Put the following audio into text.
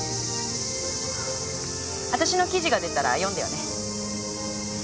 私の記事が出たら読んでよね。